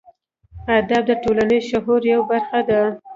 ادب د ټولنیز شعور یوه برخه ده.